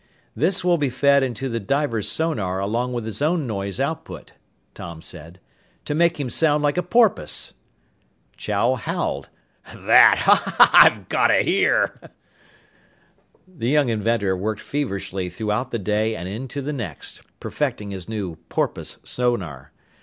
"This will be fed into the diver's sonar along with his own noise output," Tom said, "to make him sound like a porpoise." Chow howled. "That I've got to hear!" The young inventor worked feverishly throughout the day and into the next, perfecting his new "porpoise sonar."